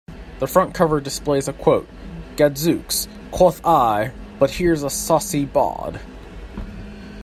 The front cover displays a quote: "'Gadzooks,' quoth I, 'but here's a saucy bawd!'".